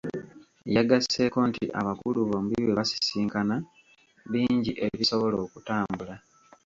Yagasseeko nti abakulu bombi bwe basisinkana, bingi ebisobola okutambula.